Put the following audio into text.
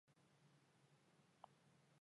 Psır zerık'uer plhağu khudêyş.